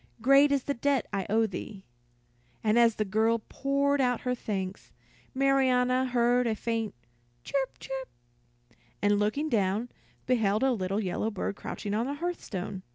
Great is the debt I owe thee." And as the girl poured out her thanks, Marianna heard a faint "chirp, chirp," and looking down, beheld a little yellow bird crouching on the hearthstone.